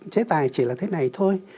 chế tài chỉ là thế này thôi